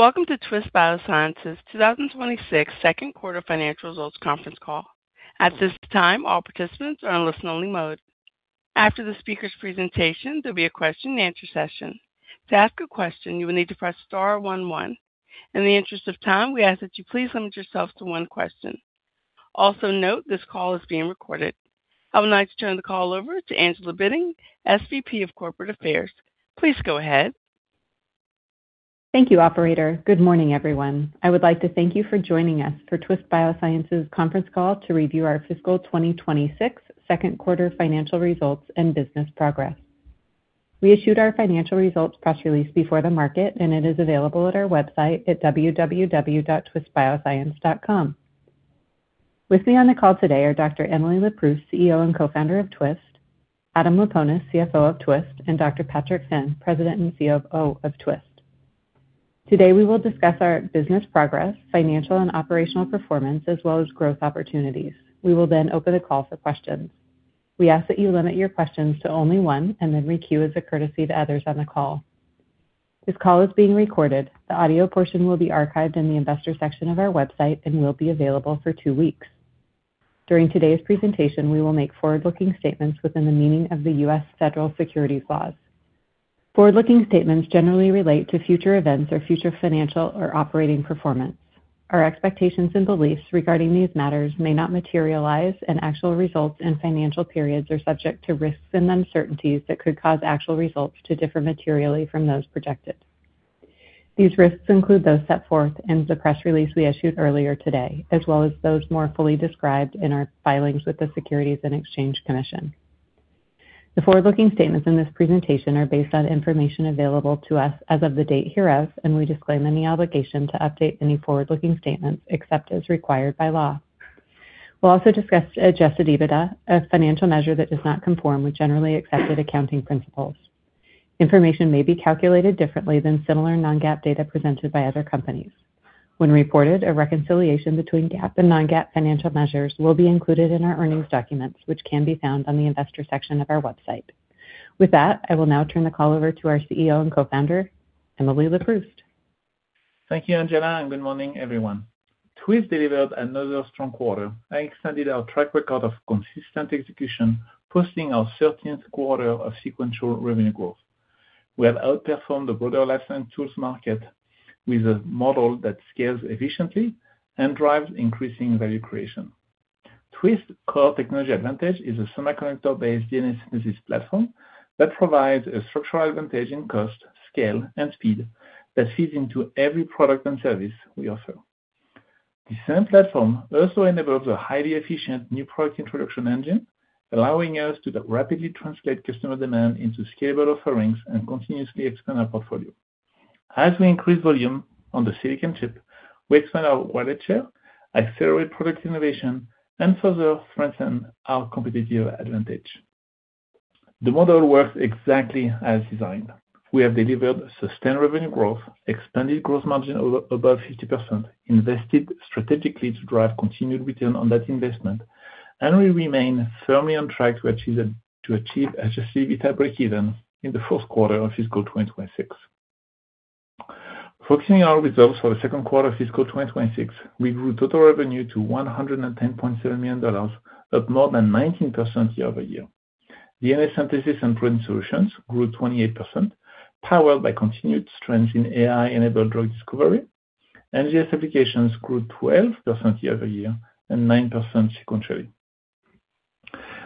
Welcome to Twist Bioscience's 2026 2nd quarter financial results conference call. At this all participants are in listen only mode. After this speakers presentation there will be question-and-answer session. To ask a question you'll need to press star one one. And interest of time we ask you to please limit yourself to one question. Also note this call is being recorded. I would now like to turn the call over to Angela Bitting, SVP of Corporate Affairs. Please go ahead. Thank you, operator. Good morning, everyone. I would like to thank you for joining us for Twist Bioscience's conference call to review our fiscal 2026 second quarter financial results and business progress. We issued our financial results press release before the market, and it is available at our website at www.twistbioscience.com. With me on the call today are Dr. Emily Leproust, CEO and Co-Founder of Twist, Adam Laponis, CFO of Twist, and Dr. Patrick Finn, President and COO of Twist. Today, we will discuss our business progress, financial and operational performance, as well as growth opportunities. We will then open the call for questions. We ask that you limit your questions to only one and then re-queue as a courtesy to others on the call. This call is being recorded. The audio portion will be archived in the investor section of our website and will be available for two weeks. During today's presentation, we will make forward-looking statements within the meaning of the U.S. federal securities laws. Forward-looking statements generally relate to future events or future financial or operating performance. Our expectations and beliefs regarding these matters may not materialize, and actual results and financial periods are subject to risks and uncertainties that could cause actual results to differ materially from those projected. These risks include those set forth in the press release we issued earlier today, as well as those more fully described in our filings with the Securities and Exchange Commission. The forward-looking statements in this presentation are based on information available to us as of the date hereof, and we disclaim any obligation to update any forward-looking statements except as required by law. We'll also discuss adjusted EBITDA, a financial measure that does not conform with generally accepted accounting principles. Information may be calculated differently than similar non-GAAP data presented by other companies. When reported, a reconciliation between GAAP and non-GAAP financial measures will be included in our earnings documents, which can be found on the investor section of our website. With that, I will now turn the call over to our CEO and Co-Founder, Emily Leproust. Thank you, Angela, and good morning, everyone. Twist delivered another strong quarter and extended our track record of consistent execution, posting our 13th quarter of sequential revenue growth. We have outperformed the broader life science tools market with a model that scales efficiently and drives increasing value creation. Twist's core technology advantage is a semiconductor-based DNA synthesis platform that provides a structural advantage in cost, scale, and speed that feeds into every product and service we offer. The same platform also enables a highly efficient New Product Introduction engine, allowing us to rapidly translate customer demand into scalable offerings and continuously expand our portfolio. As we increase volume on the silicon chip, we expand our wallet share, accelerate product innovation, and further strengthen our competitive advantage. The model works exactly as designed. We have delivered sustained revenue growth, expanded gross margin above 50%, invested strategically to drive continued return on that investment, and we remain firmly on track to achieve adjusted EBITDA breakeven in the fourth quarter of fiscal 2026. Focusing on our results for the second quarter of fiscal 2026, we grew total revenue to $110.7 million, up more than 19% year-over-year. DNA synthesis and protein solutions grew 28%, powered by continued strength in AI-enabled drug discovery. NGS applications grew 12% year-over-year and 9% sequentially.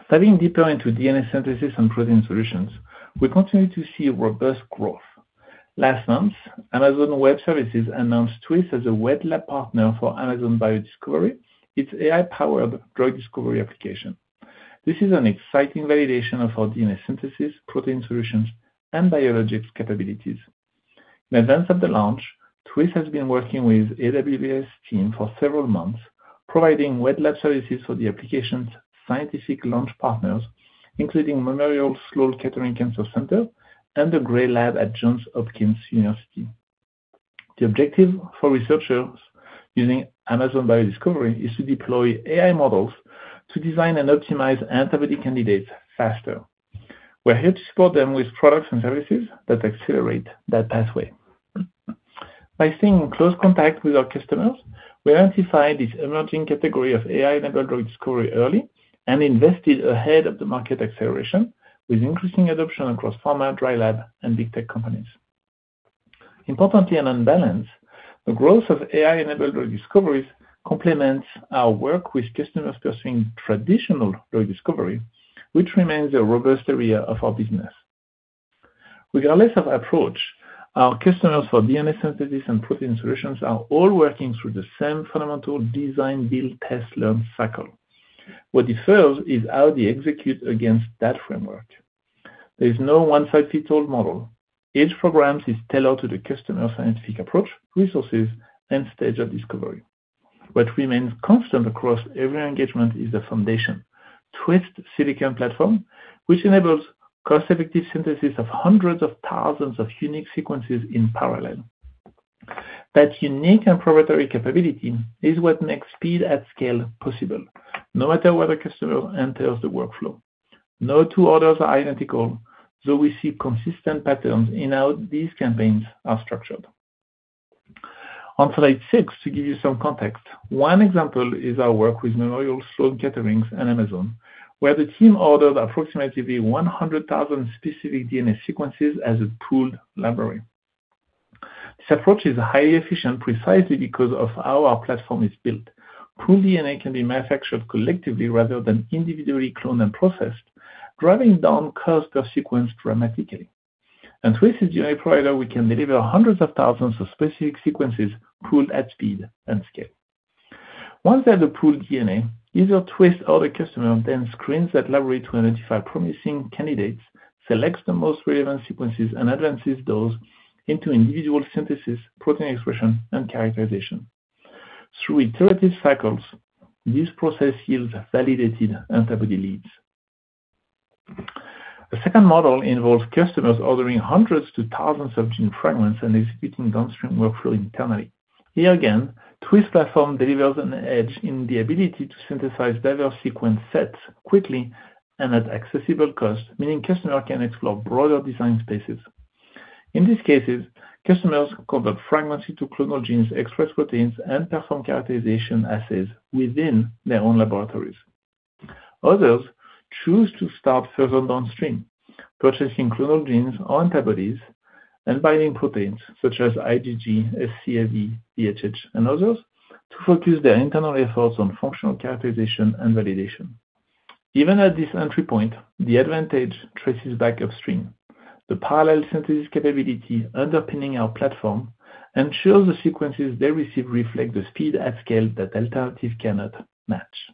Diving deeper into DNA synthesis and protein solutions, we continue to see robust growth. Last month, Amazon Web Services announced Twist as a wet lab partner for Amazon Bio Discovery, its AI-powered drug discovery application. This is an exciting validation of our DNA synthesis, protein solutions, and biologics capabilities. In advance of the launch, Twist has been working with AWS team for several months, providing wet lab services for the application's scientific launch partners, including Memorial Sloan Kettering Cancer Center and the GrayLab at Johns Hopkins University. The objective for researchers using Amazon Bio Discovery is to deploy AI models to design and optimize antibody candidates faster. We're here to support them with products and services that accelerate that pathway. By staying in close contact with our customers, we identified this emerging category of AI-enabled drug discovery early and invested ahead of the market acceleration, with increasing adoption across pharma, dry lab, and big tech companies. Importantly on balance, the growth of AI-enabled drug discoveries complements our work with customers pursuing traditional drug discovery, which remains a robust area of our business. Regardless of approach, our customers for DNA synthesis and protein solutions are all working through the same fundamental design, build, test, learn cycle. What differs is how they execute against that framework. There is no one-size-fits-all model. Each program is tailored to the customer's scientific approach, resources, and stage of discovery. What remains constant across every engagement is the foundation, Twist Silicon platform, which enables cost-effective synthesis of hundreds of thousands of unique sequences in parallel. That unique and proprietary capability is what makes speed at scale possible, no matter where the customer enters the workflow. No two orders are identical, though we see consistent patterns in how these campaigns are structured. On slide six, to give you some context, one example is our work with Memorial Sloan Kettering and Amazon, where the team ordered approximately one hundred thousand specific DNA sequences as a pooled library. This approach is highly efficient precisely because of how our platform is built. Pooled DNA can be manufactured collectively rather than individually cloned and processed, driving down cost per sequence dramatically. At Twist's DNA provider, we can deliver hundreds of thousands of specific sequences pooled at speed and scale. Once they have the pooled DNA, either Twist or the customer then screens that library to identify promising candidates, selects the most relevant sequences, and advances those into individual synthesis, protein expression, and characterization. Through iterative cycles, this process yields validated antibody leads. A second model involves customers ordering hundreds to thousands of gene fragments and executing downstream workflow internally. Here again, Twist platform delivers an edge in the ability to synthesize diverse sequence sets quickly and at accessible cost, meaning customer can explore broader design spaces. In these cases, customers convert fragments into clonal genes, express proteins, and perform characterization assays within their own laboratories. Others choose to start further downstream, purchasing clonal genes or antibodies and binding proteins such as IgG, Fc/Fv, VHH, and others to focus their internal efforts on functional characterization and validation. Even at this entry point, the advantage traces back upstream. The parallel synthesis capability underpinning our platform ensures the sequences they receive reflect the speed at scale that alternatives cannot match.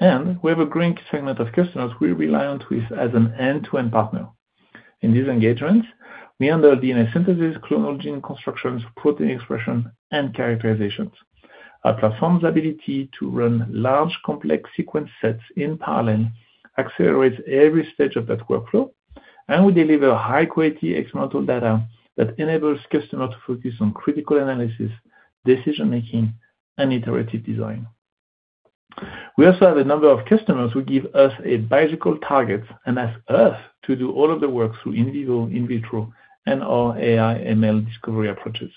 We have a growing segment of customers who rely on Twist as an end-to-end partner. In these engagements, we handle DNA synthesis, clonal gene constructions, protein expression, and characterizations. Our platform's ability to run large, complex sequence sets in parallel accelerates every stage of that workflow, and we deliver high-quality experimental data that enables customers to focus on critical analysis, decision-making, and iterative design. We also have a number of customers who give us a biological target and ask us to do all of the work through in vivo, in vitro, and our AI/ML discovery approaches.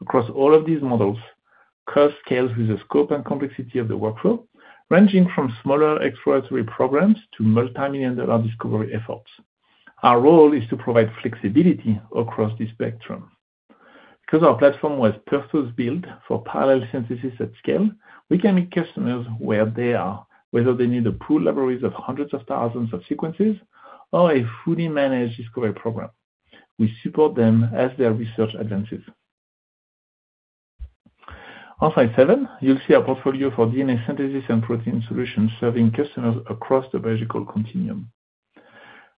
Across all of these models, cost scales with the scope and complexity of the workflow, ranging from smaller exploratory programs to multi-million dollar discovery efforts. Our role is to provide flexibility across this spectrum. Because our platform was purpose-built for parallel synthesis at scale, we can meet customers where they are, whether they need a pool libraries of hundreds of thousands of sequences or a fully managed discovery program. We support them as their research advances. On slide seven, you'll see our portfolio for DNA synthesis and protein solutions serving customers across the biological continuum.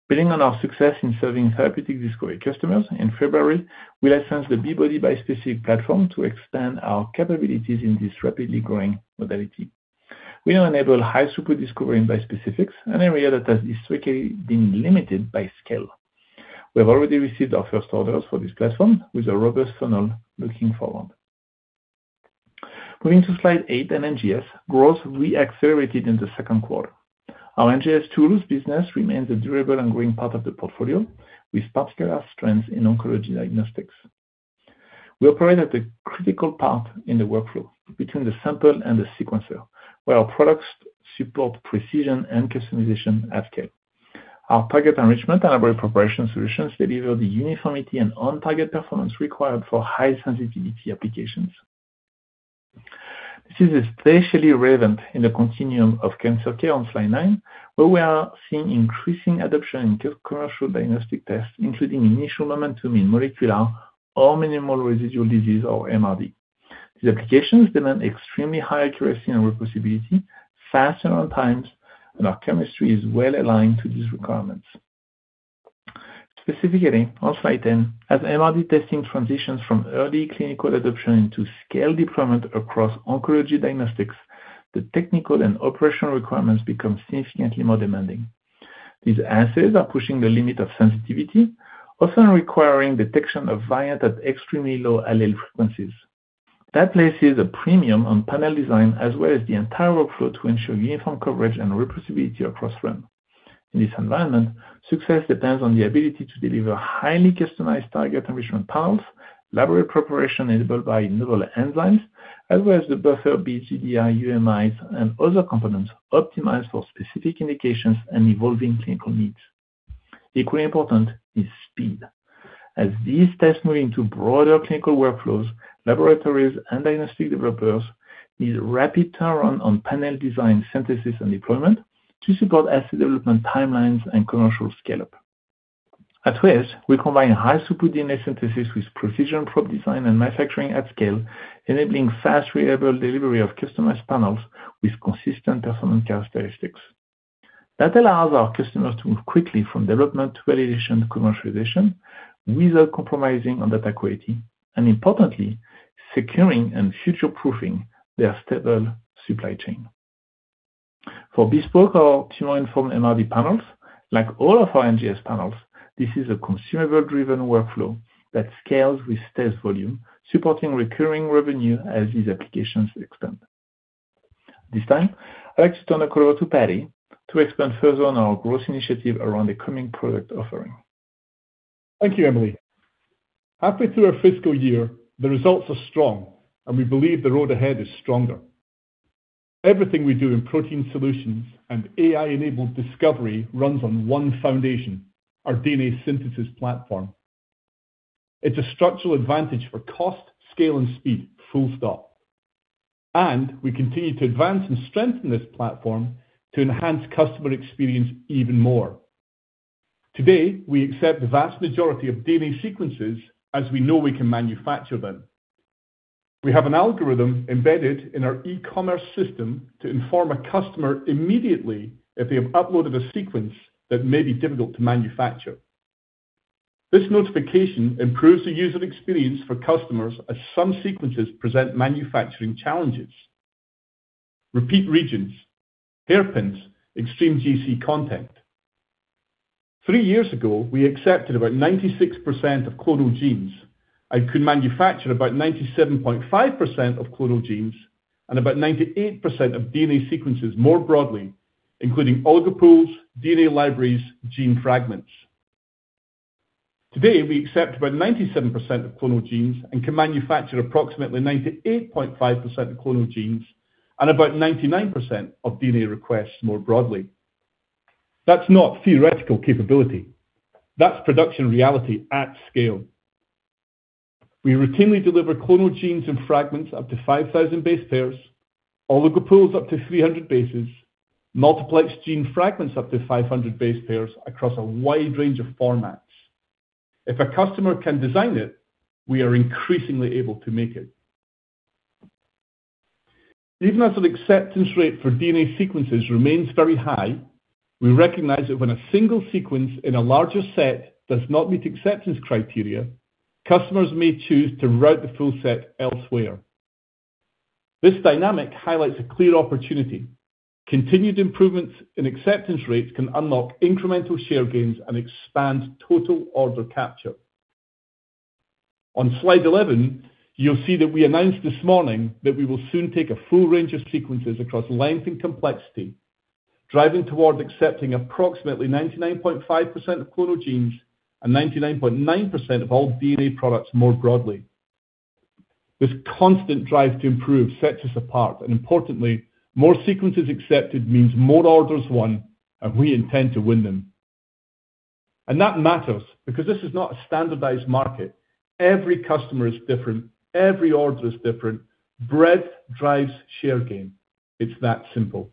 Building on our success in serving therapeutic discovery customers, in February, we licensed the B-Body bispecific platform to expand our capabilities in this rapidly growing modality. We now enable high-throughput discovery in bispecifics, an area that has historically been limited by scale. We have already received our first orders for this platform with a robust funnel looking forward. Going to slide eight, NGS growth re-accelerated in the second quarter. Our NGS tools business remains a durable and growing part of the portfolio, with particular strength in oncology diagnostics. We operate at the critical part in the workflow between the sample and the sequencer, where our products support precision and customization at scale. Our target enrichment and library preparation solutions deliver the uniformity and on-target performance required for high sensitivity applications. This is especially relevant in the continuum of cancer care on slide nine, where we are seeing increasing adoption in commercial diagnostic tests, including initial momentum in molecular or minimal residual disease or MRD. These applications demand extremely high accuracy and reproducibility, fast turn-around times, and our chemistry is well-aligned to these requirements. Specifically, on slide 10, as MRD testing transitions from early clinical adoption into scale deployment across oncology diagnostics, the technical and operational requirements become significantly more demanding. These assays are pushing the limit of sensitivity, often requiring detection of variant at extremely low allele frequencies. That places a premium on panel design as well as the entire workflow to ensure uniform coverage and reproducibility across run. In this environment, success depends on the ability to deliver highly customized target enrichment panels, library preparation enabled by novel enzymes, as well as the buffer, BCDI, UMIs, and other components optimized for specific indications and evolving clinical needs. Equally important is speed. As these tests move into broader clinical workflows, laboratories and diagnostic developers need rapid turn-on panel design, synthesis, and deployment to support assay development timelines and commercial scale-up. At Twist, we combine high-throughput DNA synthesis with precision probe design and manufacturing at scale, enabling fast, reliable delivery of customized panels with consistent performance characteristics. That allows our customers to move quickly from development to validation to commercialization without compromising on data quality, and importantly, securing and future-proofing their stable supply chain. For Bespoke, our tumor-informed MRD panels, like all of our NGS panels, this is a consumable driven workflow that scales with sales volume, supporting recurring revenue as these applications extend. This time, I'd like to turn the call over to Paddy to expand further on our growth initiative around the coming product offering. Thank you, Emily. Halfway through our fiscal year, the results are strong, and we believe the road ahead is stronger. Everything we do in protein solutions and AI-enabled discovery runs on one foundation, our DNA synthesis platform. It's a structural advantage for cost, scale and speed, full stop, and we continue to advance and strengthen this platform to enhance customer experience even more. Today, we accept the vast majority of DNA sequences as we know we can manufacture them. We have an algorithm embedded in our e-commerce system to inform a customer immediately if they have uploaded a sequence that may be difficult to manufacture. This notification improves the user experience for customers as some sequences present manufacturing challenges, repeat regions, hairpins, extreme GC content. Three years ago, we accepted about 96% of Clonal Genes and could manufacture about 97.5% of Clonal Genes and about 98% of DNA sequences more broadly, including Oligo Pools, DNA libraries, gene fragments. Today, we accept about 97% of Clonal Genes and can manufacture approximately 98.5% of Clonal Genes and about 99% of DNA requests more broadly. That's not theoretical capability. That's production reality at scale. We routinely deliver Clonal Genes and fragments up to 5,000 base pairs, Oligo Pools up to 300 bases, Multiplex Gene Fragments up to 500 base pairs across a wide range of formats. If a customer can design it, we are increasingly able to make it. Even as an acceptance rate for DNA sequences remains very high, we recognize that when a single sequence in a larger set does not meet acceptance criteria, customers may choose to route the full set elsewhere. This dynamic highlights a clear opportunity. Continued improvements in acceptance rates can unlock incremental share gains and expand total order capture. On slide 11, you'll see that we announced this morning that we will soon take a full range of sequences across length and complexity, driving toward accepting approximately 99.5% of Clonal Genes and 99.9% of all DNA products more broadly. This constant drive to improve sets us apart, and importantly, more sequences accepted means more orders won, and we intend to win them. That matters because this is not a standardized market. Every customer is different. Every order is different. Breadth drives share gain. It's that simple.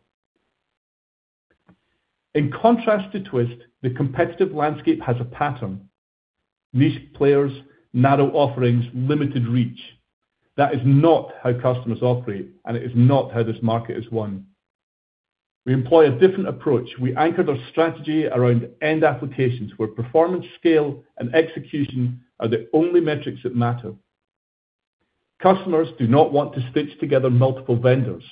In contrast to Twist, the competitive landscape has a pattern. Niche players, narrow offerings, limited reach. That is not how customers operate, and it is not how this market is won. We employ a different approach. We anchor their strategy around end applications where performance, scale, and execution are the only metrics that matter. Customers do not want to stitch together multiple vendors.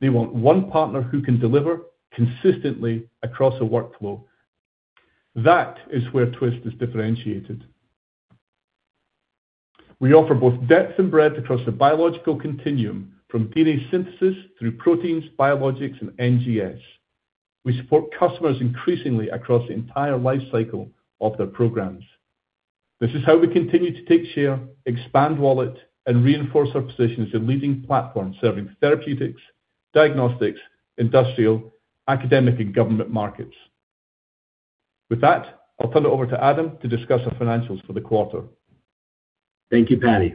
They want one partner who can deliver consistently across a workflow. That is where Twist is differentiated. We offer both depth and breadth across the biological continuum from DNA synthesis through proteins, biologics, and NGS. We support customers increasingly across the entire life cycle of their programs. This is how we continue to take share, expand wallet, and reinforce our position as the leading platform serving therapeutics, diagnostics, industrial, academic, and government markets. With that, I'll turn it over to Adam to discuss our financials for the quarter. Thank you, Paddy.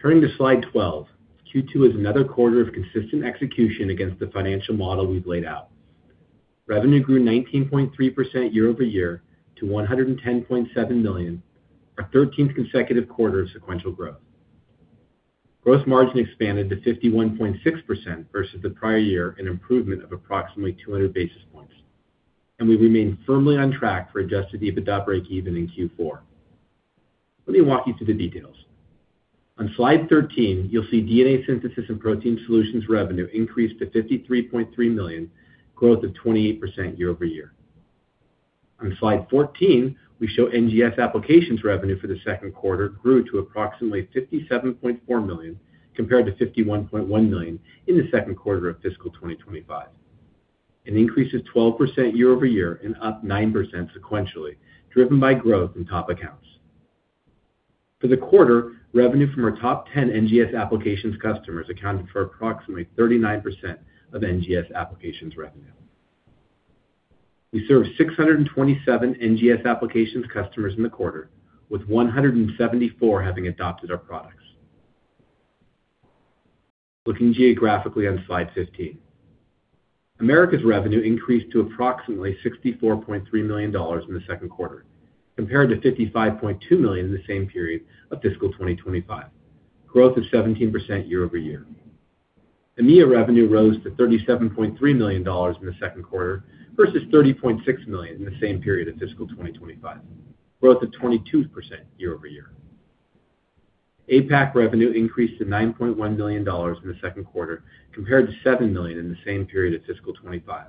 Turning to slide 12, Q2 is another quarter of consistent execution against the financial model we've laid out. Revenue grew 19.3% year-over-year to $110.7 million, our 13th consecutive quarter of sequential growth. Gross margin expanded to 51.6% versus the prior year, an improvement of approximately 200 basis points. We remain firmly on track for adjusted EBITDA breakeven in Q4. Let me walk you through the details. On slide 13, you'll see DNA synthesis and protein solutions revenue increased to $53.3 million, growth of 28% year-over-year. On slide 14, we show NGS applications revenue for the second quarter grew to approximately $57.4 million, compared to $51.1 million in the second quarter of fiscal 2025, an increase of 12% year-over-year and up 9% sequentially, driven by growth in top accounts. For the quarter, revenue from our top 10 NGS applications customers accounted for approximately 39% of NGS applications revenue. We served 627 NGS applications customers in the quarter, with 174 having adopted our products. Looking geographically on slide 15. Americas revenue increased to approximately $64.3 million in the second quarter, compared to $55.2 million in the same period of fiscal 2025, growth of 17% year-over-year. EMEA revenue rose to $37.3 million in the second quarter versus $30.6 million in the same period of fiscal 2025, growth of 22% year-over-year. APAC revenue increased to $9.1 million in the second quarter compared to $7 million in the same period of fiscal 2025,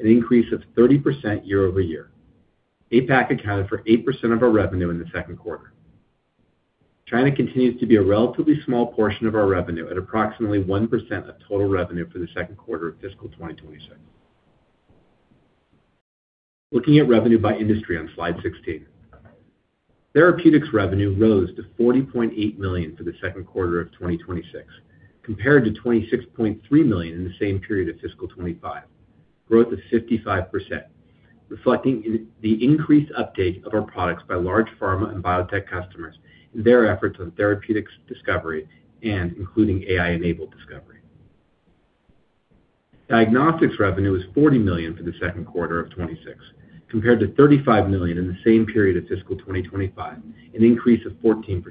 an increase of 30% year-over-year. APAC accounted for 8% of our revenue in the second quarter. China continues to be a relatively small portion of our revenue at approximately 1% of total revenue for the second quarter of fiscal 2026. Looking at revenue by industry on slide 16. Therapeutics revenue rose to $40.8 million for the second quarter of 2026, compared to $26.3 million in the same period of fiscal 2025. Growth of 55%, reflecting the increased uptake of our products by large pharma and biotech customers in their efforts on therapeutics discovery and including AI-enabled discovery. Diagnostics revenue was $40 million for the second quarter of 2026, compared to $35 million in the same period of fiscal 2025, an increase of 14%.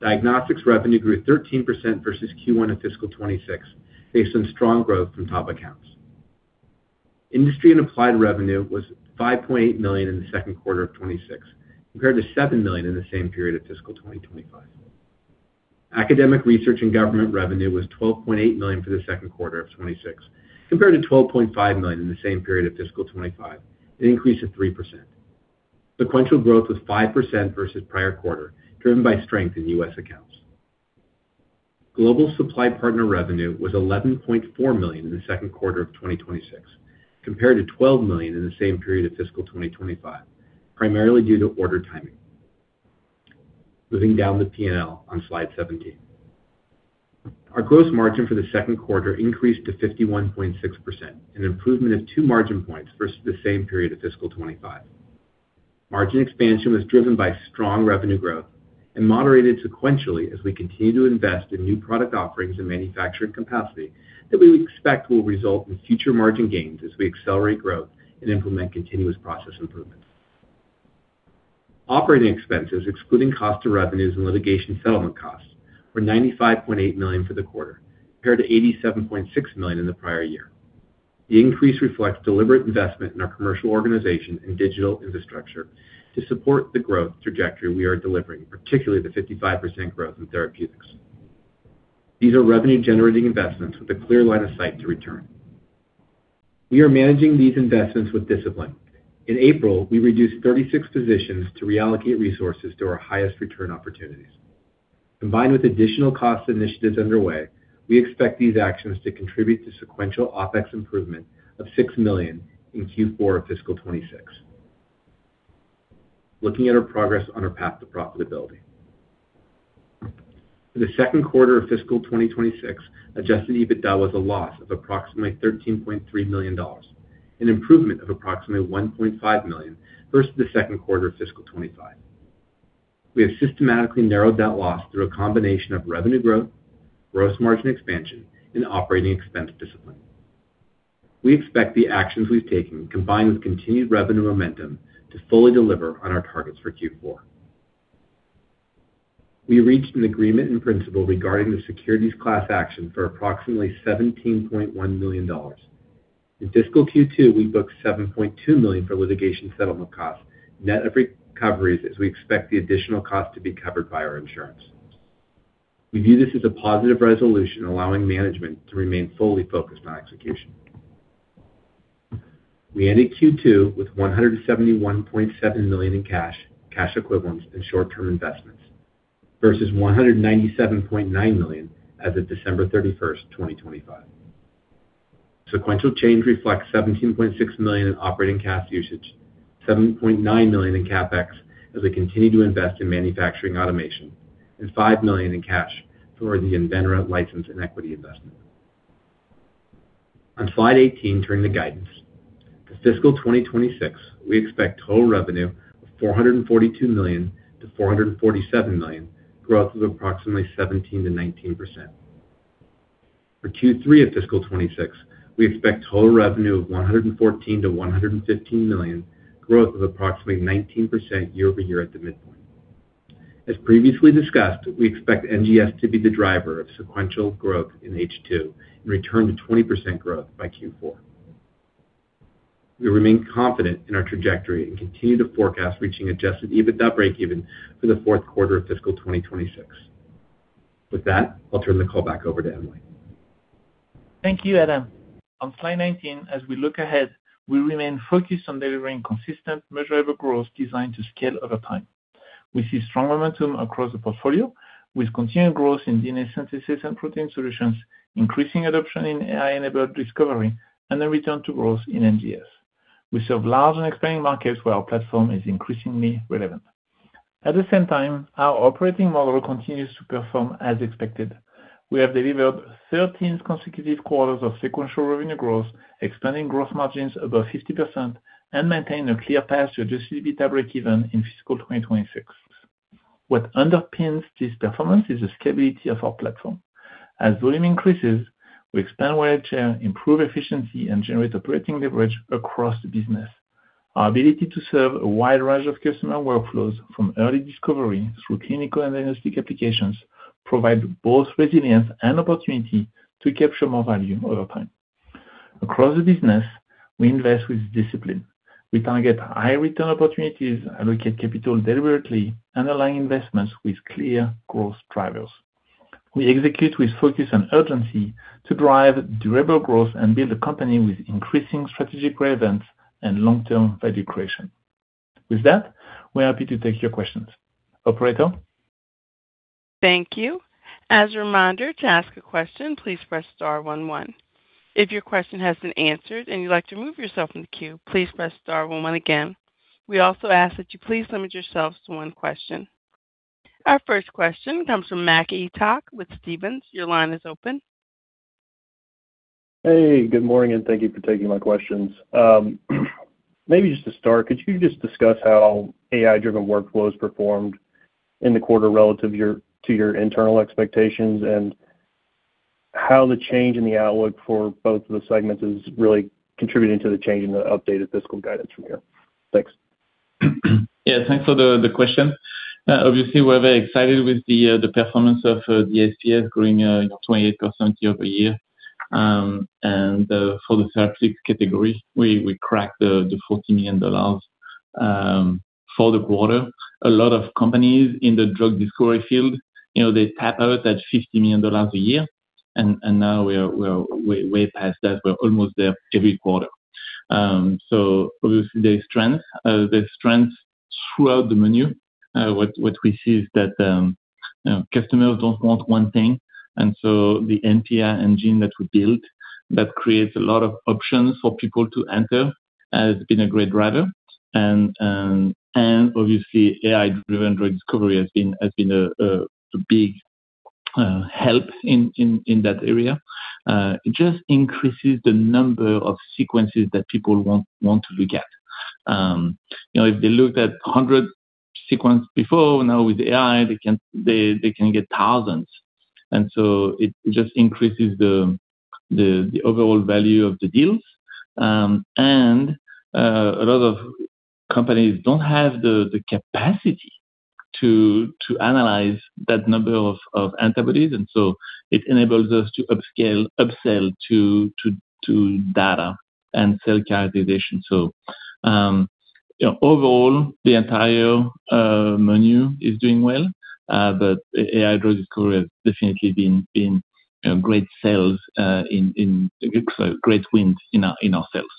Diagnostics revenue grew 13% versus Q1 of fiscal 2026 based on strong growth from top accounts. Industry and applied revenue was $5.8 million in the second quarter of 2026, compared to $7 million in the same period of fiscal 2025. Academic research and government revenue was $12.8 million for the second quarter of 2026, compared to $12.5 million in the same period of fiscal 2025, an increase of 3%. Sequential growth was 5% versus prior quarter, driven by strength in U.S. accounts. Global supply partner revenue was $11.4 million in the second quarter of 2026, compared to $12 million in the same period of fiscal 2025, primarily due to order timing. Moving down the P&L on slide 17. Our gross margin for the second quarter increased to 51.6%, an improvement of 2 margin points versus the same period of fiscal 2025. Margin expansion was driven by strong revenue growth and moderated sequentially as we continue to invest in new product offerings and manufacturing capacity that we expect will result in future margin gains as we accelerate growth and implement continuous process improvements. Operating expenses, excluding cost of revenues and litigation settlement costs, were $95.8 million for the quarter, compared to $87.6 million in the prior year. The increase reflects deliberate investment in our commercial organization and digital infrastructure to support the growth trajectory we are delivering, particularly the 55% growth in therapeutics. These are revenue-generating investments with a clear line of sight to return. We are managing these investments with discipline. In April, we reduced 36 positions to reallocate resources to our highest return opportunities. Combined with additional cost initiatives underway, we expect these actions to contribute to sequential OpEx improvement of $6 million in Q4 of fiscal 2026. Looking at our progress on our path to profitability. For the second quarter of fiscal 2026, adjusted EBITDA was a loss of approximately $13.3 million, an improvement of approximately $1.5 million versus the second quarter of fiscal 2025. We have systematically narrowed that loss through a combination of revenue growth, gross margin expansion, and operating expense discipline. We expect the actions we've taken, combined with continued revenue momentum, to fully deliver on our targets for Q4. We reached an agreement in principle regarding the securities class action for approximately $17.1 million. In fiscal Q2, we booked $7.2 million for litigation settlement costs, net of recoveries, as we expect the additional cost to be covered by our insurance. We view this as a positive resolution, allowing management to remain fully focused on execution. We ended Q2 with $171.7 million in cash equivalents, and short-term investments versus $197.9 million as of December 31st, 2025. Sequential change reflects $17.6 million in operating cash usage, $7.9 million in CapEx as we continue to invest in manufacturing automation, and $5 million in cash for the Invenra license and equity investment. On slide 18, turning to guidance. For fiscal 2026, we expect total revenue of $442 million-$447 million, growth of approximately 17%-19%. For Q3 of fiscal 2026, we expect total revenue of $114 million-$115 million, growth of approximately 19% year-over-year at the midpoint. As previously discussed, we expect NGS to be the driver of sequential growth in H2 and return to 20% growth by Q4. We remain confident in our trajectory and continue to forecast reaching adjusted EBITDA breakeven for the fourth quarter of fiscal 2026. With that, I'll turn the call back over to Emily. Thank you, Adam. On slide 19, as we look ahead, we remain focused on delivering consistent measurable growth designed to scale over time. We see strong momentum across the portfolio with continued growth in DNA synthesis and protein solutions, increasing adoption in AI-enabled discovery, and a return to growth in NGS. We serve large and expanding markets where our platform is increasingly relevant. At the same time, our operating model continues to perform as expected. We have delivered 13 consecutive quarters of sequential revenue growth, expanding growth margins above 50%, and maintain a clear path to adjusted EBITDA breakeven in fiscal 2026. What underpins this performance is the scalability of our platform. As volume increases, we expand wallet share, improve efficiency, and generate operating leverage across the business. Our ability to serve a wide range of customer workflows from early discovery through clinical and diagnostic applications provide both resilience and opportunity to capture more value over time. Across the business, we invest with discipline. We target high return opportunities, allocate capital deliberately, and align investments with clear growth drivers. We execute with focus and urgency to drive durable growth and build a company with increasing strategic relevance and long-term value creation. With that, we're happy to take your questions. Operator? Thank you. As a reminder, to ask a question, please press star one one. If your question has been answered and you'd like to remove yourself from the queue, please press star one one again. We also ask that you please limit yourselves to one question. Our first question comes from Mac Etoch with Stephens. Your line is open. Hey, good morning, and thank you for taking my questions. Maybe just to start, could you just discuss how AI-driven workflows performed in the quarter relative to your internal expectations, and how the change in the outlook for both of the segments is really contributing to the change in the updated fiscal guidance from here? Thanks. Thanks for the question. Obviously, we're very excited with the performance of the SPS growing 28% year-over-year. For the therapeutics category, we cracked the $40 million for the quarter. A lot of companies in the drug discovery field, you know, they tap out at $50 million a year, now we are way past that. We're almost there every quarter. Obviously, there's strength, there's strength throughout the menu. What we see is that, you know, customers don't want one thing, the NPI engine that we built, that creates a lot of options for people to enter, has been a great driver. Obviously, AI-driven drug discovery has been a big help in that area. It just increases the number of sequences that people want to look at. You know, if they looked at 100 sequence before, now with AI, they can get thousands. It just increases the overall value of the deals. A lot of companies don't have the capacity to analyze that number of antibodies, and so it enables us to upsell to data and cell characterization. You know, overall, the entire menu is doing well, but AI drug discovery has definitely been, you know, great sales great wins in our ourselves.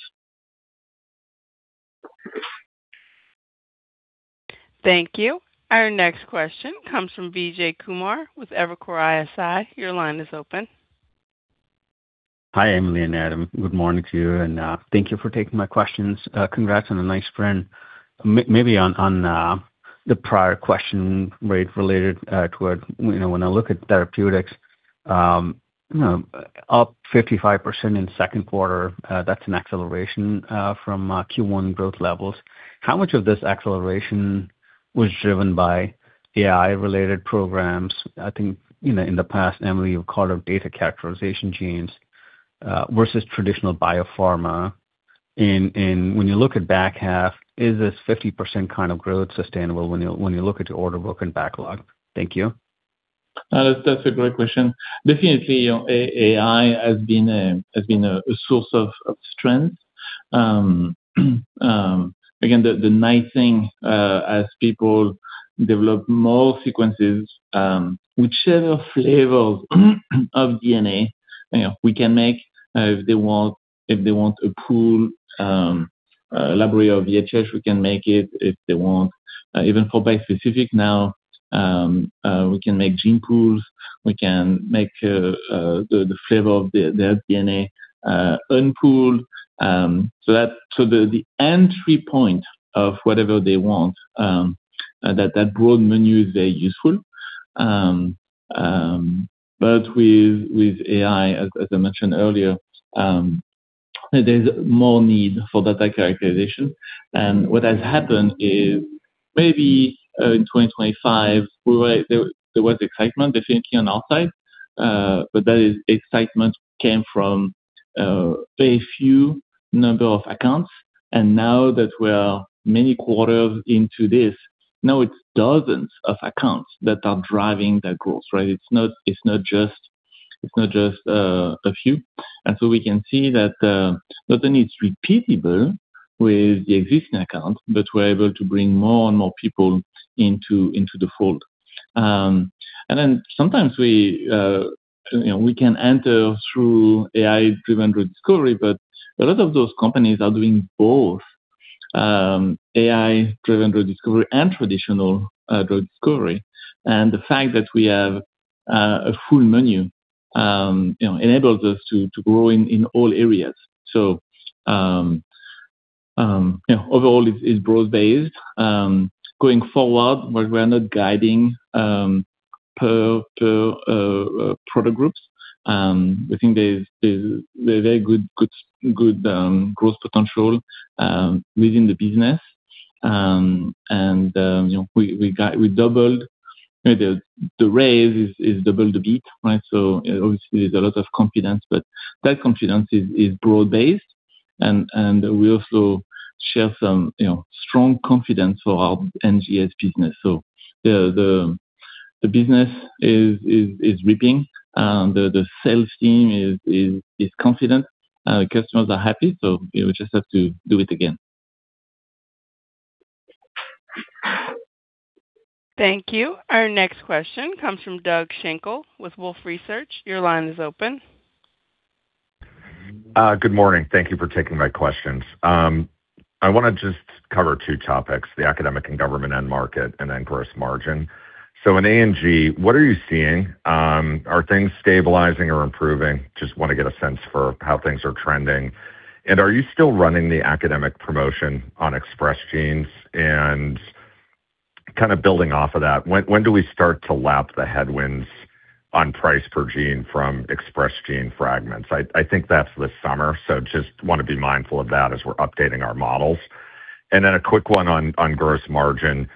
Thank you. Our next question comes from Vijay Kumar with Evercore ISI. Your line is open. Hi, Emily and Adam. Good morning to you, and thank you for taking my questions. Congrats on a nice sprint. Maybe on the prior question, right, related toward, you know, when I look at therapeutics, you know, up 55% in second quarter, that's an acceleration from Q1 growth levels. How much of this acceleration was driven by AI-related programs? I think, you know, in the past, Emily, you called out data characterization genes versus traditional biopharma. When you look at back half, is this 50% kind of growth sustainable when you, when you look at your order book and backlog? Thank you. That's a great question. Definitely, AI has been a source of strength. Again, the nice thing, as people develop more sequences, whichever flavor of DNA, you know, we can make, if they want a pool library of VHHs, we can make it. If they want even for bispecific now, we can make gene pools. We can make the flavor of their DNA unpooled. So the entry point of whatever they want, that broad menu is very useful. With AI, as I mentioned earlier, there's more need for data characterization. What has happened is maybe in 2025, there was excitement definitely on our side, but that excitement came from very few number of accounts. Now that we are many quarters into this, now it's dozens of accounts that are driving that growth, right? It's not just a few. We can see that not only it's repeatable with the existing accounts, but we're able to bring more and more people into the fold. Sometimes we, you know, we can enter through AI-driven drug discovery, but a lot of those companies are doing both, AI-driven drug discovery and traditional drug discovery. The fact that we have a full menu, you know, enables us to grow in all areas. You know, overall it's broad-based. Going forward, we're not guiding per product groups. I think there's very good growth potential within the business. You know, we doubled. The raise is double the beat, right? Obviously there's a lot of confidence, but that confidence is broad-based. We also share some, you know, strong confidence for our NGS business. The business is ripping. The sales team is confident. Customers are happy, we will just have to do it again. Thank you. Our next question comes from Doug Schenkel with Wolfe Research. Your line is open. Good morning. Thank you for taking my questions. I wanna just cover two topics, the academic and government end market and then gross margin. In A&G, what are you seeing? Are things stabilizing or improving? Just wanna get a sense for how things are trending. Are you still running the academic promotion on Express Genes? Kind of building off of that, when do we start to lap the headwinds on price per gene from Express Genes fragments? I think that's this summer, just wanna be mindful of that as we're updating our models. A quick one on gross margin.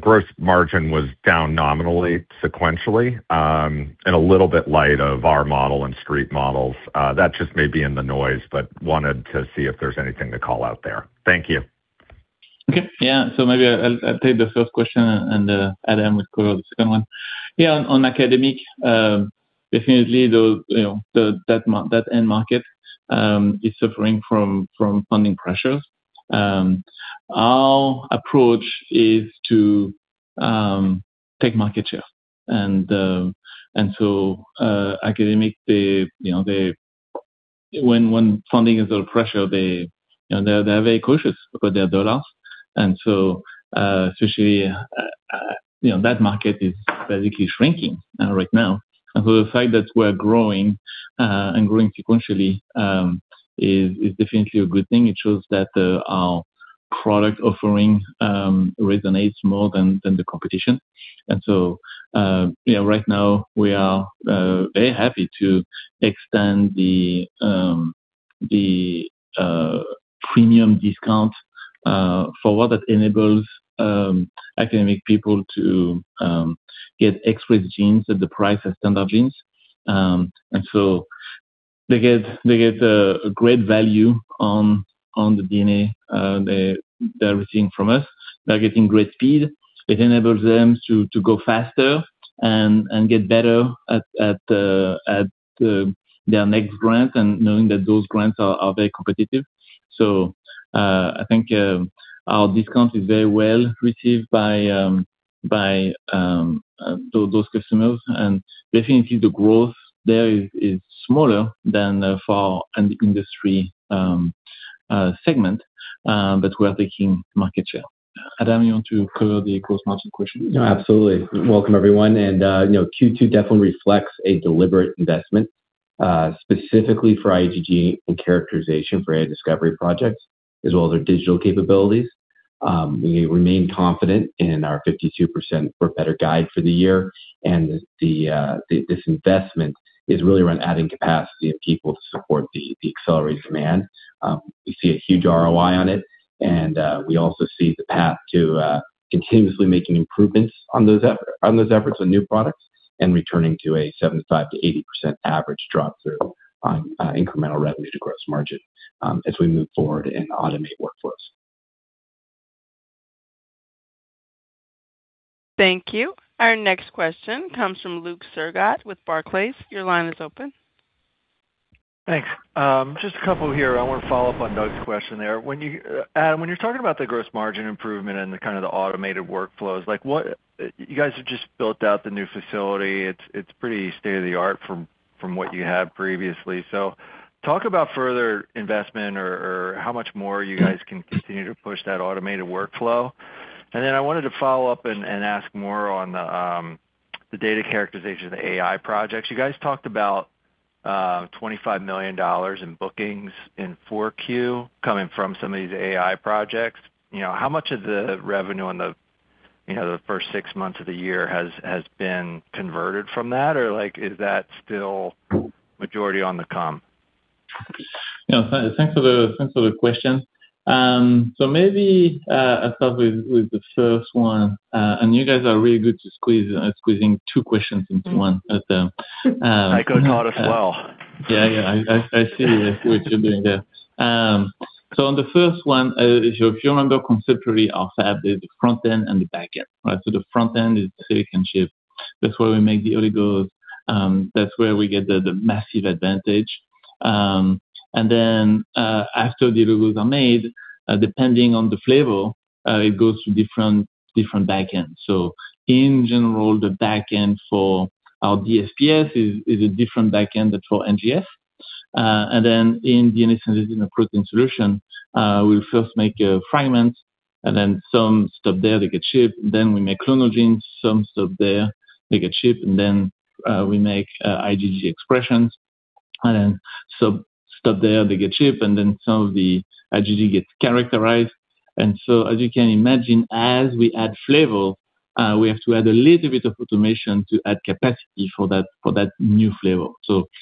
Gross margin was down nominally, sequentially, and a little bit light of our model and street models. That just may be in the noise, but wanted to see if there's anything to call out there. Thank you. Okay. Yeah. Maybe I'll take the first question and Adam will cover the second one. On, on academic, definitely those, you know, that end market is suffering from funding pressures. Our approach is to take market share. Academic, they, you know, when funding is under pressure they, you know, they're very cautious about their dollars. Especially, you know, that market is basically shrinking right now. The fact that we're growing and growing sequentially is definitely a good thing. It shows that our product offering resonates more than the competition. Yeah, right now we are very happy to extend the premium discount for what that enables academic people to get Express Genes at the price of standard genes. They get a great value on the DNA they're receiving from us. They're getting great speed. It enables them to go faster and get better at their next grant, knowing that those grants are very competitive. I think our discount is very well received by those customers. Definitely the growth there is smaller than for an industry segment, but we are taking market share. Adam, you want to cover the gross margin question? No, absolutely. Welcome, everyone. You know, Q2 definitely reflects a deliberate investment specifically for IgG and characterization for our discovery projects, as well as our digital capabilities. We remain confident in our 52% or better guide for the year. This investment is really around adding capacity and people to support the accelerated demand. We see a huge ROI on it, we also see the path to continuously making improvements on those efforts on new products and returning to a 75%-80% average drop through on incremental revenue to gross margin as we move forward and automate workflows. Thank you. Our next question comes from Luke Sergott with Barclays. Your line is open. Thanks. Just a couple here. I wanna follow up on Doug's question there. Adam, when you're talking about the gross margin improvement and the kind of the automated workflows. You guys have just built out the new facility. It's pretty state-of-the-art from what you had previously. Talk about further investment or how much more you guys can continue to push that automated workflow. I wanted to follow up and ask more on the data characterization of the AI projects. You guys talked about $25 million in bookings in 4Q coming from some of these AI projects. You know, how much of the revenue in the first six months of the year has been converted from that? Or, like, is that still majority on the comm? Yeah. Thanks for the question. Maybe I'll start with the first one. You guys are really good to squeeze, squeezing two questions into one at the. I go that as well. Yeah, yeah, I see. I see what you're doing there. On the first one, if you remember conceptually, our fab is the front-end and the back-end, right? The front-end is silicon chip. That's where we make the oligos. That's where we get the massive advantage. After the Oligos are made, depending on the flavor, it goes through different back-ends. In general, the back-end for our DSPS is a different back-end than for NGS. In DNA synthesis and protein solution, we first make a fragment and then some stop there, they get shipped. We make Clonal Genes, some stop there, they get shipped. We make IgG expressions, some stop there, they get shipped. Some of the IgG gets characterized. As you can imagine, as we add flavor, we have to add a little bit of automation to add capacity for that new flavor.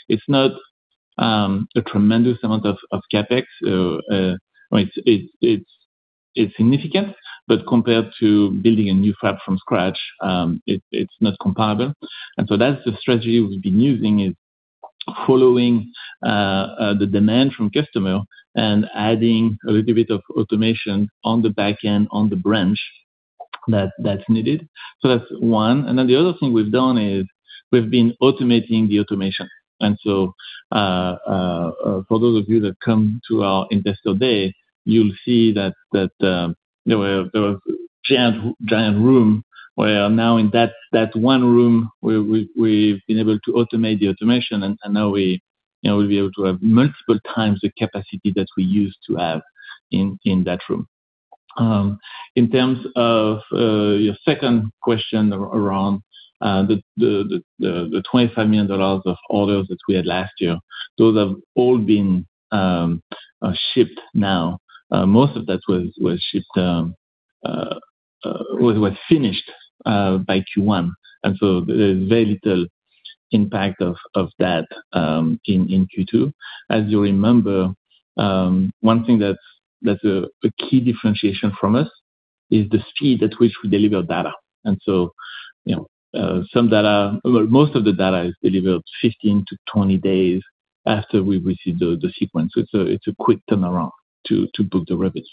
It's not a tremendous amount of CapEx. I mean, it's significant, but compared to building a new fab from scratch, it's not comparable. That's the strategy we've been using, is following the demand from customer and adding a little bit of automation on the back end on the branch that's needed. That's one. The other thing we've done is we've been automating the automation. For those of you that come to our Investor Day, you'll see that there was giant room where now in that one room, we've been able to automate the automation. Now we, you know, we'll be able to have multiple times the capacity that we used to have in that room. In terms of your second question around the $25 million of orders that we had last year, those have all been shipped now. Most of that was shipped, was finished by Q1, there's very little impact of that in Q2. As you remember, one thing that's a key differentiation from us is the speed at which we deliver data. You know, Well, most of the data is delivered 15-20 days after we receive the sequence. It's a quick turnaround to book the revenues.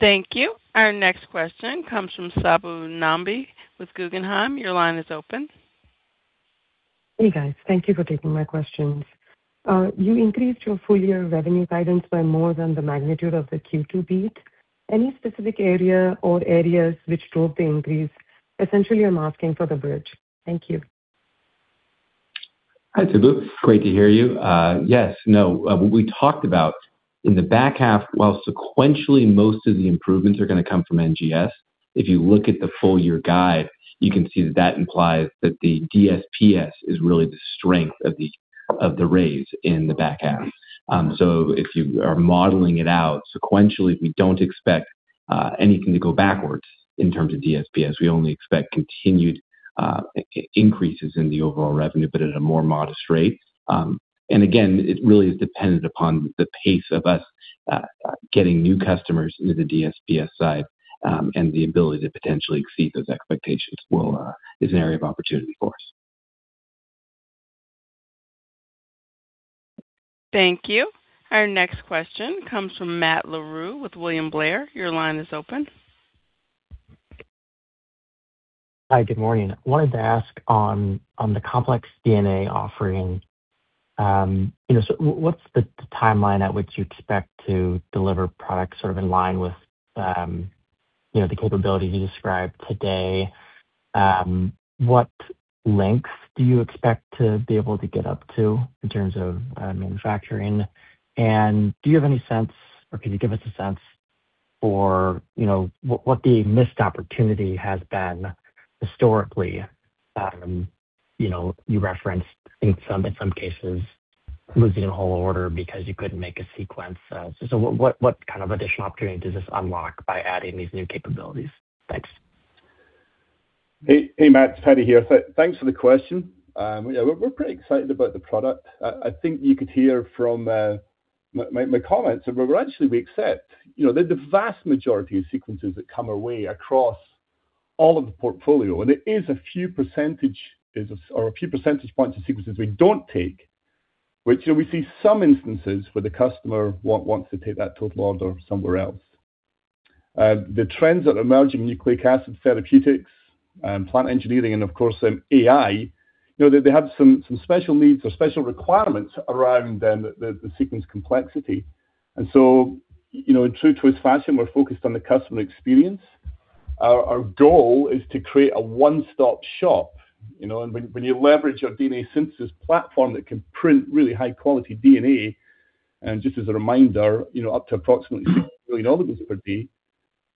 Thank you. Our next question comes from Subbu Nambi with Guggenheim. Your line is open. Hey, guys. Thank you for taking my questions. You increased your full year revenue guidance by more than the magnitude of the Q2 beat. Any specific area or areas which drove the increase? Essentially, I'm asking for the bridge. Thank you. Hi, Subbu. Great to hear you. Yes, what we talked about in the back half, while sequentially, most of the improvements are going to come from NGS, if you look at the full year guide, you can see that that implies that the DSPS is really the strength of the raise in the back half. If you are modeling it out sequentially, we don't expect anything to go backwards in terms of DSPS. We only expect continued increases in the overall revenue, but at a more modest rate. Again, it really is dependent upon the pace of us getting new customers into the DSPS side, and the ability to potentially exceed those expectations will is an area of opportunity for us. Thank you. Our next question comes from Matt Larew with William Blair. Your line is open. Hi. Good morning. Wanted to ask on the complex DNA offering, you know, what's the timeline at which you expect to deliver products sort of in line with, you know, the capability you described today? What length do you expect to be able to get up to in terms of manufacturing? Do you have any sense, or can you give us a sense for, you know, what the missed opportunity has been historically? You know, you referenced in some cases losing a whole order because you couldn't make a sequence. What kind of additional opportunity does this unlock by adding these new capabilities? Thanks. Hey, hey, Matt, it's Paddy here. Thanks for the question. Yeah, we're pretty excited about the product. I think you could hear from my comments that we're virtually we accept, you know, that the vast majority of sequences that come our way across all of the portfolio, it is a few percentage points of sequences we don't take, which, you know, we see some instances where the customer wants to take that total order somewhere else. The trends that emerging nucleic acid therapeutics, plant engineering, of course, AI, you know, they have some special needs or special requirements around then the sequence complexity. So, you know, in true Twist fashion, we're focused on the customer experience. Our goal is to create a one-stop shop, you know. When you leverage our DNA synthesis platform that can print really high-quality DNA, and just as a reminder, you know, up to approximately 6 billion elements per day,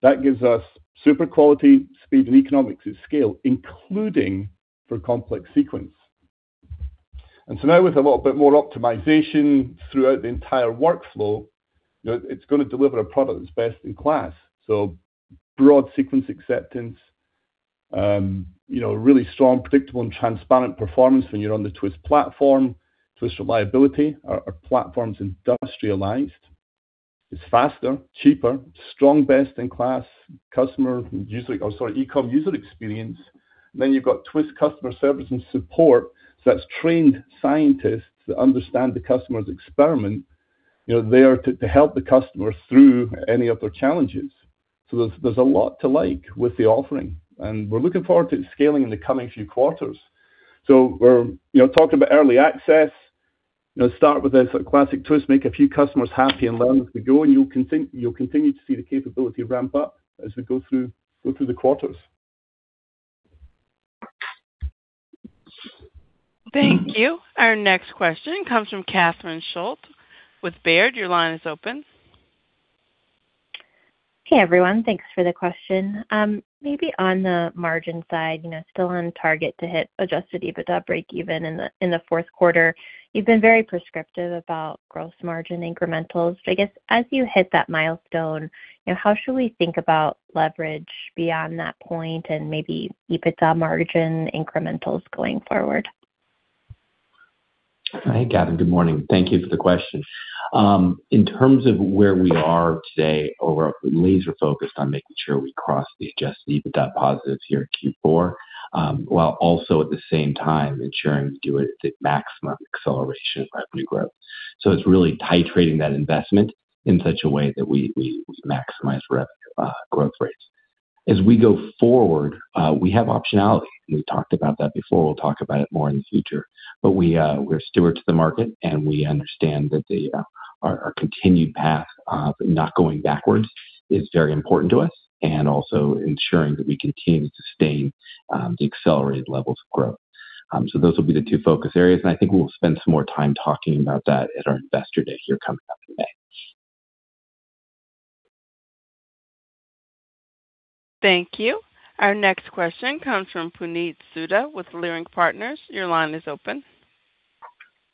that gives us super quality, speed, and economics at scale, including for complex sequence. Now with a little bit more optimization throughout the entire workflow, you know, it's gonna deliver a product that's best-in-class. Broad sequence acceptance, you know, really strong, predictable, and transparent performance when you're on the Twist platform. Twist reliability. Our platform's industrialized. It's faster, cheaper, strong best-in-class e-com user experience. You've got Twist customer service and support, that's trained scientists that understand the customer's experiment, you know, there to help the customer through any of their challenges. There's a lot to like with the offering, and we're looking forward to scaling in the coming few quarters. We're, you know, talking about early access. You know, start with this classic Twist, make a few customers happy, and learn as we go, and you'll continue to see the capability ramp up as we go through the quarters. Thank you. Our next question comes from Catherine Schulte with Baird. Your line is open. Hey, everyone. Thanks for the question. Maybe on the margin side, you know, still on target to hit adjusted EBITDA breakeven in the fourth quarter. You've been very prescriptive about gross margin incrementals. I guess, as you hit that milestone, you know, how should we think about leverage beyond that point and maybe EBITDA margin incrementals going forward? Hi, Catherine. Good morning. Thank you for the question. In terms of where we are today, overall, we're laser-focused on making sure we cross the adjusted EBITDA positives here in Q4, while also at the same time ensuring we do it at maximum acceleration of revenue growth. It's really titrating that investment in such a way that we maximize growth rates. As we go forward, we have optionality. We've talked about that before. We'll talk about it more in the future. We're stewards of the market, and we understand that our continued path of not going backwards is very important to us and also ensuring that we continue to sustain the accelerated levels of growth. Those will be the two focus areas, and I think we will spend some more time talking about that at our investor day here coming up in May. Thank you. Our next question comes from Puneet Souda with Leerink Partners. Your line is open.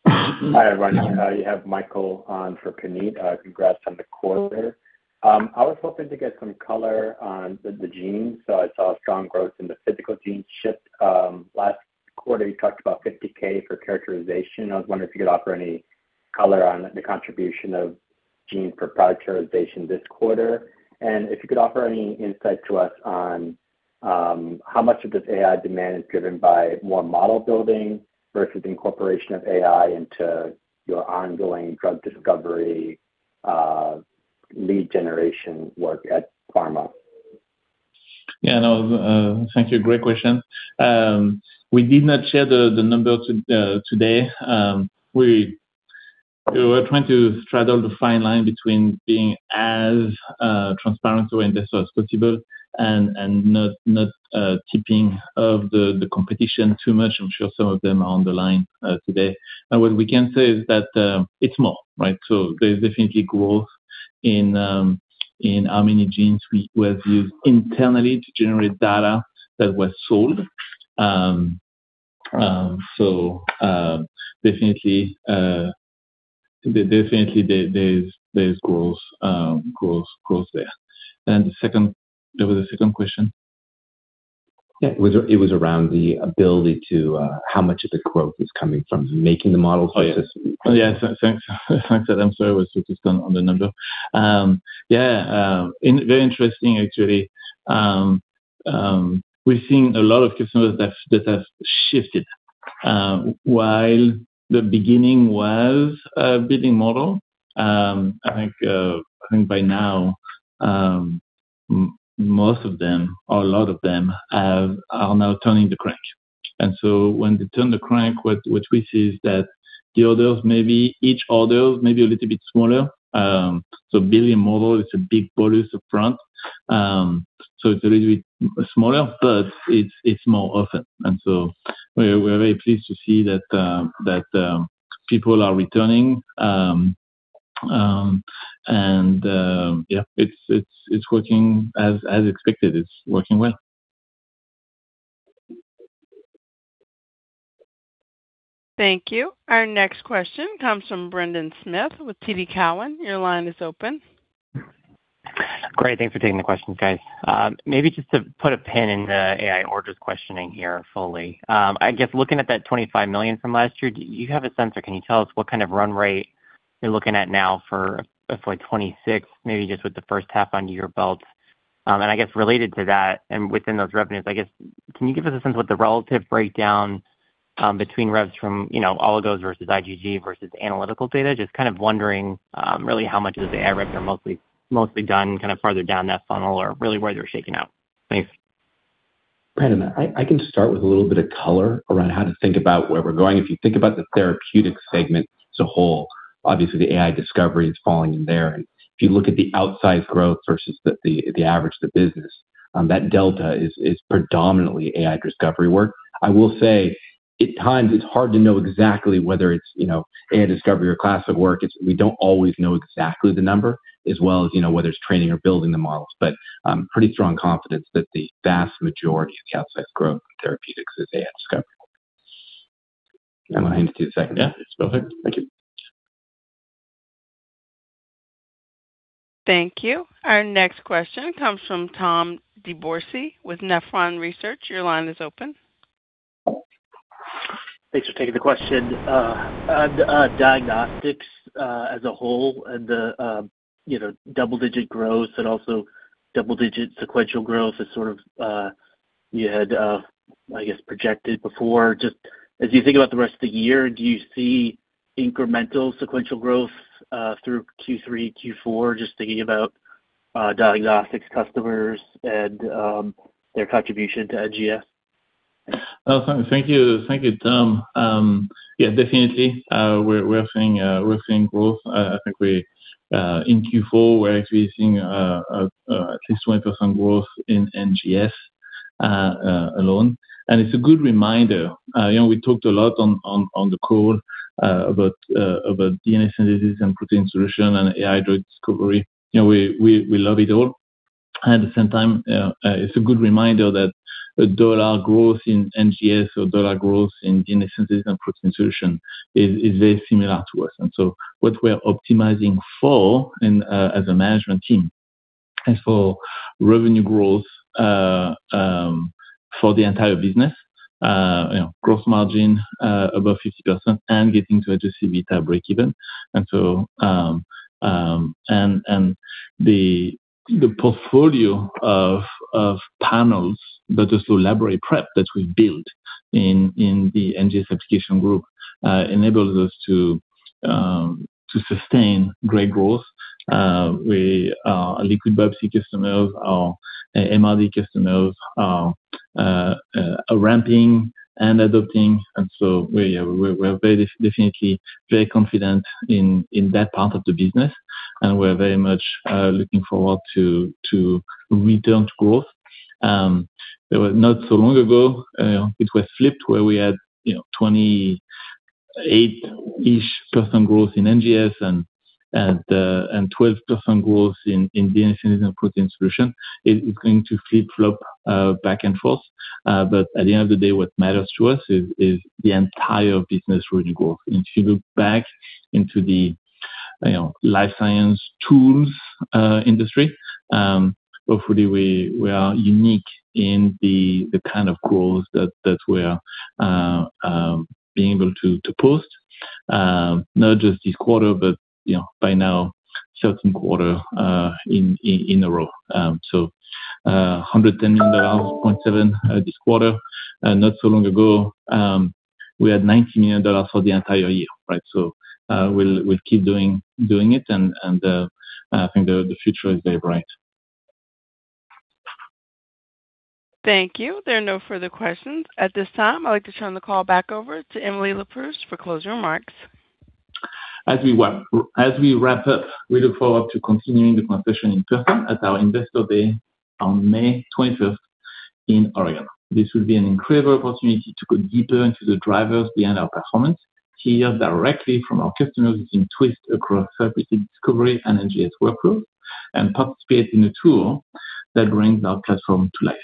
Hi, everyone. You have Michael on for Puneet. Congrats on the quarter. I was hoping to get some color on the genes. I saw strong growth in the physical gene shift. Last quarter, you talked about 50K for characterization. I was wondering if you could offer any color on the contribution of gene for characterization this quarter. If you could offer any insight to us on how much of this AI demand is driven by more model building versus incorporation of AI into your ongoing drug discovery, lead generation work at pharma. Yeah. No, thank you. Great question. We did not share the number today. We were trying to straddle the fine line between being as transparent to investors as possible and not tipping off the competition too much. I'm sure some of them are on the line today. What we can say is that it's more, right? There's definitely growth in how many genes we have used internally to generate data that was sold. Definitely there's growth there. There was a second question? Yeah. It was around the ability to, how much of the growth is coming from making the models versus. Oh, yeah. Oh, yeah. Thanks. Thanks. I'm sorry. I was focused on the number. Yeah, very interesting actually. We've seen a lot of customers that have shifted. While the beginning was a building model, I think by now, most of them or a lot of them are now turning the crank. When they turn the crank, what we see is that each order is maybe a little bit smaller. Building model is a big bolus up front. So it's a little bit smaller, but it's more often. We're very pleased to see that people are returning. Yeah, it's working as expected. It's working well. Thank you. Our next question comes from Brendan Smith with TD Cowen. Your line is open. Great. Thanks for taking the questions, guys. Maybe just to put a pin in the AI orders questioning here fully. I guess looking at that $25 million from last year, do you have a sense or can you tell us what kind of run rate you're looking at now for 2026, maybe just with the first half under your belt? I guess related to that and within those revenues, I guess, can you give us a sense what the relative breakdown between revs from, you know, oligos versus IgG versus analytical data? Just kind of wondering really how much of the AI revs are mostly done kind of further down that funnel or really where they're shaking out. Thanks. Brendan, I can start with a little bit of color around how to think about where we're going. If you think about the therapeutic segment as a whole, obviously the AI discovery is falling in there. If you look at the outsized growth versus the average of the business, that delta is predominantly AI discovery work. I will say at times it's hard to know exactly whether it's, you know, AI discovery or classic work. We don't always know exactly the number as well as, you know, whether it's training or building the models. Pretty strong confidence that the vast majority of the outsized growth in therapeutics is AI discovery. Do you want to add to the second half? Yeah. Go ahead. Thank you. Thank you. Our next question comes from Tom DeBourcy with Nephron Research. Your line is open. Thanks for taking the question. Diagnostics as a whole and the, you know, double-digit growth and also double-digit sequential growth is sort of you had, I guess, projected before. Just as you think about the rest of the year, do you see incremental sequential growth through Q3, Q4? Just thinking about diagnostics customers and their contribution to NGS. Thank you. Thank you, Tom. Yeah, definitely, we're seeing growth. I think we in Q4, we're actually seeing at least 20% growth in NGS alone. It's a good reminder. You know, we talked a lot on the call about DNA synthesis and protein solution and AI-driven discovery. You know, we love it all. At the same time, it's a good reminder that dollar growth in NGS or dollar growth in DNA synthesis and protein solution is very similar to us. What we're optimizing for as a management team and for revenue growth for the entire business, you know, growth margin above 50% and getting to adjusted EBITDA breakeven. The portfolio of panels that is through library prep that we build in the NGS application group enables us to sustain great growth. We are a liquid biopsy customers, our MRD customers are ramping and adopting, so we're very definitely very confident in that part of the business, and we're very much looking forward to return to growth. There were not so long ago, it was flipped where we had, you know, 28-ish% growth in NGS and 12% growth in DNA synthesis and protein solution. It is going to flip-flop back and forth. At the end of the day, what matters to us is the entire business really grow. If you look back into the, you know, life science tools industry, hopefully we are unique in the kind of growth that we're being able to post, not just this quarter, but you know, by now certain quarter in a row. $110.7 million this quarter. Not so long ago, we had $19 million for the entire year, right? We'll keep doing it and I think the future is very bright. Thank you. There are no further questions. At this time, I'd like to turn the call back over to Emily Leproust for closing remarks. As we wrap up, we look forward to continuing the conversation in person at our Investor Day on May 20th in Oregon. This will be an incredible opportunity to go deeper into the drivers behind our performance, hear directly from our customers in Twist across therapeutic discovery and NGS workflow, and participate in a tour that brings our platform to life.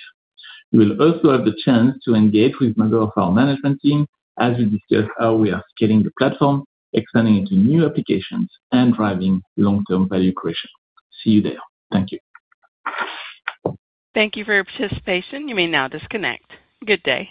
You will also have the chance to engage with members of our management team as we discuss how we are scaling the platform, expanding into new applications, and driving long-term value creation. See you there. Thank you. Thank you for your participation. You may now disconnect. Good day.